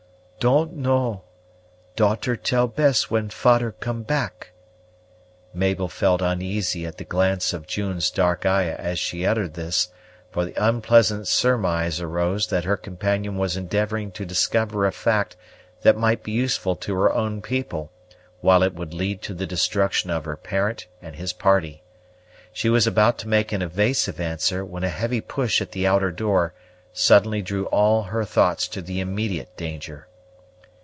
"Don't know; daughter tell best when fader come back." Mabel felt uneasy at the glance of June's dark eye as she uttered this; for the unpleasant surmise arose that her companion was endeavoring to discover a fact that might be useful to her own people, while it would lead to the destruction of her parent and his party. She was about to make an evasive answer, when a heavy push at the outer door suddenly drew all her thoughts to the immediate danger.